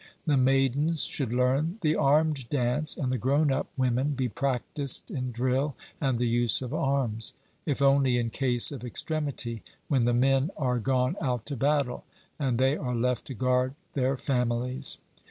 The maidens should learn the armed dance, and the grown up women be practised in drill and the use of arms, if only in case of extremity, when the men are gone out to battle, and they are left to guard their families.